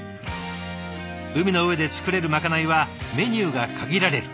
海の上で作れるまかないはメニューが限られる。